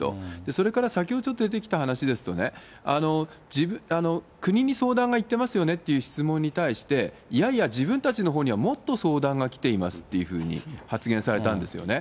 それから先ほどちょっと出てきた話ですとね、国に相談がいってますよねっていう質問に対して、いやいや、自分たちのほうにはもっと相談が来ていますっていうふうに発言されたんですよね。